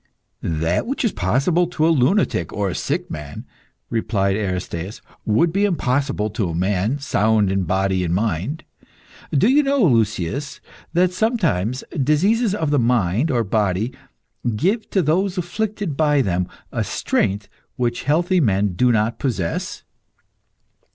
"That which is possible to a lunatic or a sick man," replied Aristaeus, "would be impossible to a man sound in body and mind. Do you know, Lucius, that sometimes diseases of the mind or body give to those afflicted by them a strength which healthy men do not possess?